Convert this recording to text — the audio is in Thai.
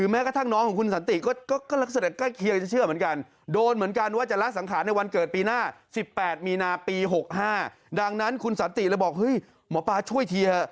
มีนาปี๖๕ดังนั้นคุณสัตติแล้วบอกเฮ้ยหมอปลาช่วยทีเถอะ